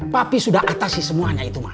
papi sudah atasi semuanya itu mah